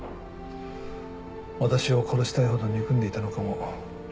私を殺したいほど憎んでいたのかも。